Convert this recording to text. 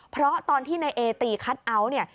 เพราะตอนที่นายเอตีคัทเอาท์เนี่ย